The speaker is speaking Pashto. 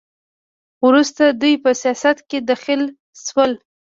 وروسته دوی په سیاست کې دخیل شول.